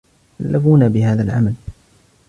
كلفونا بهذا العمل.